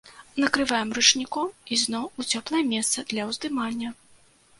Накрываем ручніком і зноў у цёплае месца для ўздымання.